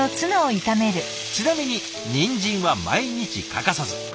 ちなみにニンジンは毎日欠かさず。